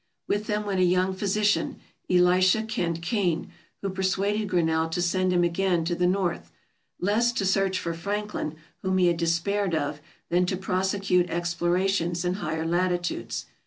With them went a young physician, Elisha Kent Kane, who persuaded Grinnell to send him again to the North, less to search for Franklin, whom he had despaired of, than to prosecute explorations in higher latitudes.